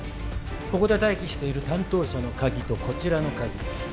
ここで待機している担当者の鍵とこちらの鍵